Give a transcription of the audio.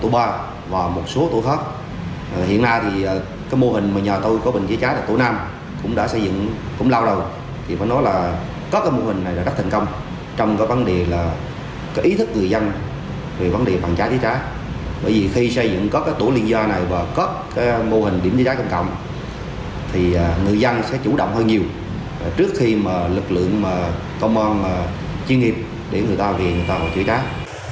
bởi vì khi xây dựng có tổ liên do này và có mô hình điểm chữa cháy công cộng thì người dân sẽ chủ động hơn nhiều trước khi lực lượng công an chuyên nghiệp để người ta có chữa cháy